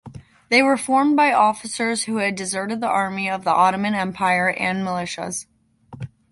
They were formed by officers who had deserted the Army of the Ottoman Empire and militias.